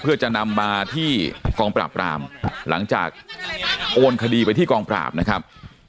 เพื่อจะนำมาที่กองปราบรามหลังจากโอนคดีไปที่กองปราบนะครับ